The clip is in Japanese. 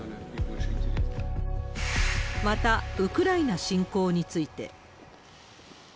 また、ウクライナ侵攻について。